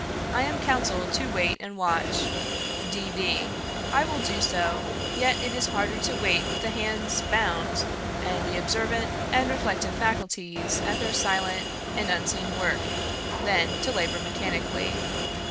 I am counselled to wait and watch D. V. I will do so; yet it is harder to wait with the hands bound, and the observant and reflective faculties at their silent and unseen work, than to labour mechanically.